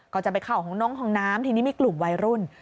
ก็จะไปเข้าห้องน้องห้องน้ำทีนี้มีกลุ่มวัยรุ่น